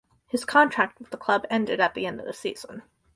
His contract with club ended at the end of season.